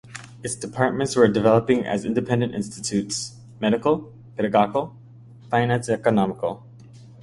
Its departments were developing as independent institutes: medical, pedagogical, finance-economical.